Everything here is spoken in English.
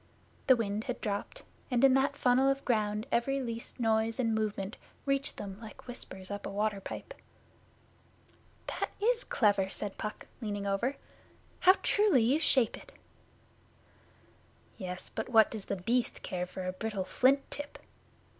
The wind had dropped, and in that funnel of ground every least noise and movement reached them like whispers up a water Pipe. 'That is clever,' said Puck, leaning over. 'How truly you shape it!' 'Yes, but what does The Beast care for a brittle flint tip?